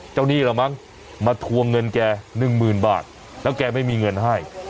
หนี้เหรอมั้งมาทวงเงินแก๑๐๐๐บาทแล้วแกไม่มีเงินให้